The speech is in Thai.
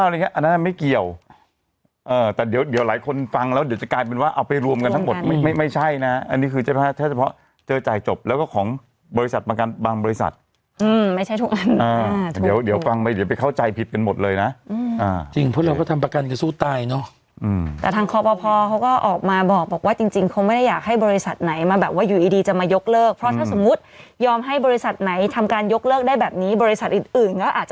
แล้วเดี๋ยวจะกลายเป็นว่าเอาไปรวมกันทั้งหมดไม่ใช่นะอันนี้คือเฉพาะเจอจ่ายจบแล้วก็ของบริษัทประกันบางบริษัทอืมไม่ใช่ทุกอันอ่าเดี๋ยวก่อนไปเดี๋ยวไปเข้าใจผิดกันหมดเลยนะอ่าจริงเพราะเราก็ทำประกันกับสู้ตายเนอะอืมแต่ทางคอพอพอเขาก็ออกมาบอกบอกว่าจริงจริงคงไม่ได้อยากให้บริษัทไหนมาแบ